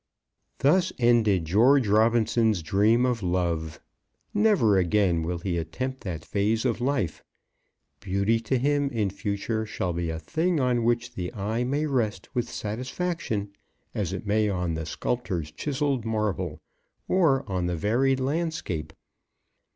Thus ended George Robinson's dream of love. Never again will he attempt that phase of life. Beauty to him in future shall be a thing on which the eye may rest with satisfaction, as it may on the sculptor's chiselled marble, or on the varied landscape.